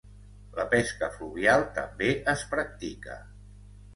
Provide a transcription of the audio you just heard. La pesca fluvial també es practica.